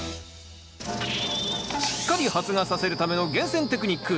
しっかり発芽させるための厳選テクニック。